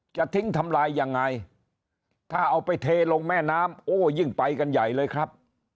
จะทิ้งทำลายยังไงถ้าเอาไปเทลงแม่น้ำโอ้ยิ่งไปกันใหญ่เลยครับ